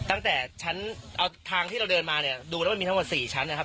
ตั้งแต่ชั้นเอาทางที่เราเดินมาเนี่ยดูแล้วมันมีทั้งหมด๔ชั้นนะครับ